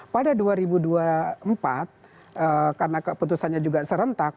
pada dua ribu dua puluh empat karena keputusannya juga serentak